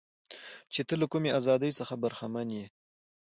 چې ته له کمې ازادۍ څخه برخمنه یې.